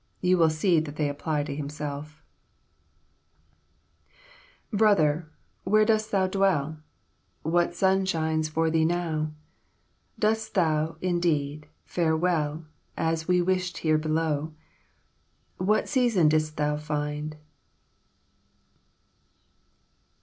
You will see that they apply to himself:" "Brother, where dost thou dwell? What sun shines for thee now? Dost thou, indeed, fare well, As we wished here below? "What season didst thou find?